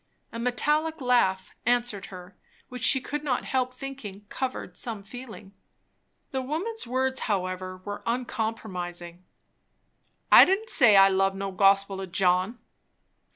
A metallic laugh answered her, which she could not help thinking covered some feeling. The woman's words however were uncompromising. "I didn't say I loved no gospel of John."